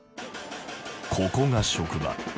ここが職場。